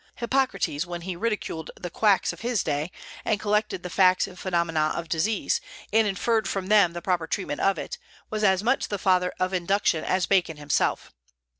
Hippocrates, when he ridiculed the quacks of his day, and collected the facts and phenomena of disease, and inferred from them the proper treatment of it, was as much the father of induction as Bacon himself.